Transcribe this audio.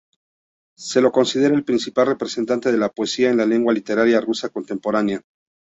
Se lo considera el principal representante de la poesía en lengua literaria rusa contemporánea.